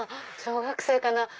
小学生かな？